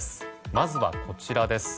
まずはこちらです。